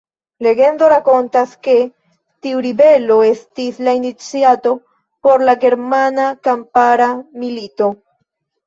Legendo rakontas, ke tiu ribelo estis la iniciato por la Germana Kampara Milito.